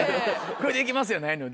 「これでいきます」やないのよ